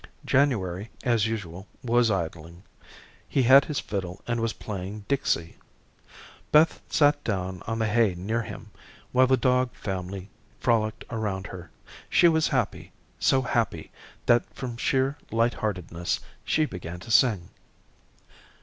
January as usual was idling. He had his fiddle and was playing "Dixie." Beth sat down on the hay near him, while the dog family frolicked around her. She was happy, so happy that from sheer light heartedness she began to sing.